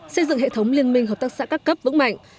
xây dựng hệ thống liên minh hợp tác xã các cấp vững mạnh